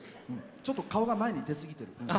ちょっと顔が前に出すぎてる。